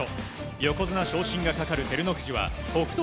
横綱昇進がかかる照ノ富士は北勝